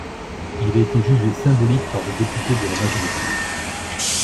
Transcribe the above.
Il a été jugé symbolique par des députés de la majorité.